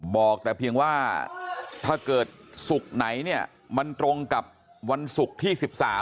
บอกแต่เพียงว่าถ้าเกิดศุกร์ไหนเนี่ยมันตรงกับวันศุกร์ที่๑๓